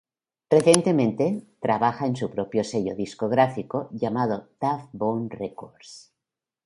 Recientemente, trabaja en su propio sello discográfico, llamado Tuff Bong Records.